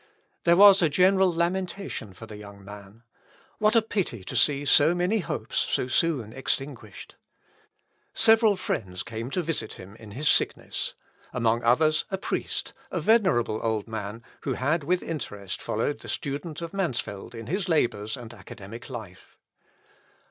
There was a general lamentation for the young man. What a pity to see so many hopes so soon extinguished! Several friends came to visit him in his sickness; among others a priest, a venerable old man, who had with interest followed the student of Mansfeld in his labours and academic life.